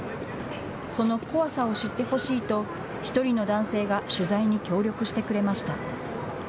その怖さを知ってほしいと、１人の男性が取材に協力してくれました。